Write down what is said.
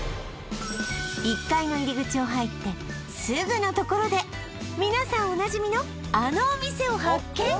１階の入り口を入ってすぐのところで皆さんおなじみのあのお店を発見